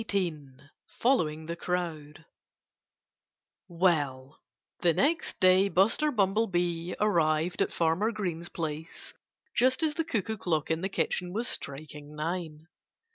XVIII FOLLOWING THE CROWD Well, the next day Buster Bumblebee arrived at Farmer Green's place just as the cuckoo clock in the kitchen was striking nine.